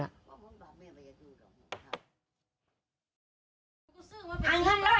อังกฤษล่ะเดี๋ยวน้ำเมา